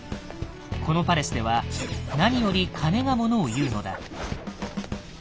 このパレスでは何より金が物を言うのだ。